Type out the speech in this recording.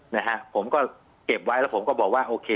นะฮะผมก็เก็บไว้แล้วผมก็บอกว่าโอเค